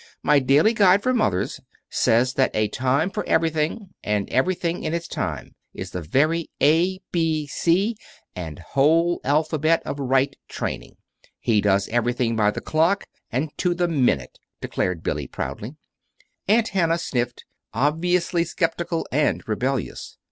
"My 'Daily Guide for Mothers' says that a time for everything and everything in its time, is the very A B C and whole alphabet of Right Training. He does everything by the clock, and to the minute," declared Billy, proudly. Aunt Hannah sniffed, obviously skeptical and rebellious.